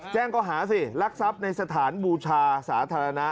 แจ้งก็หาสิรักทรัพย์ในสถานบูชาสาธารณะ